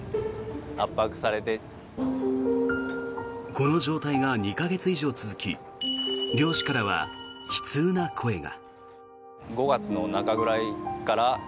この状態が２か月以上続き漁師からは悲痛な声が。